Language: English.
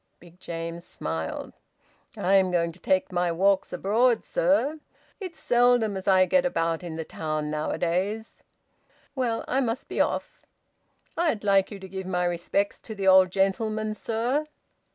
Big James smiled. "I'm going to take my walks abroad, sir. It's seldom as I get about in the town nowadays." "Well, I must be off!" "I'd like you to give my respects to the old gentleman, sir."